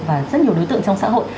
và rất nhiều đối tượng trong xã hội